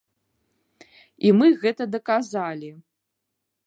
І мы гэта даказалі!